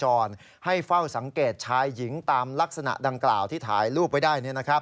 ให้เฝ้าสังเกตชายหญิงตามลักษณะดังกล่าวที่ถ่ายรูปไว้ได้